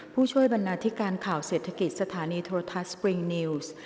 ผู้ช่วยบรรณาธิการข่าวเศรษฐกิจสถานีโทรทัศน์สปริงนิวส์